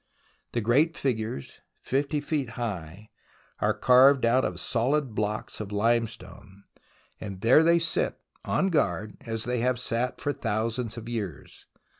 The great figures, 50 feet 70 THE ROMANCE OF EXCAVATION high, are carved out of soUd blocks of Hmestone, and there they sit on guard as they have sat for thousands of years.